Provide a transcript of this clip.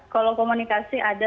kalau komunikasi ada